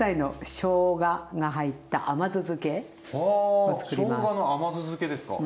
しょうがの甘酢漬けですか？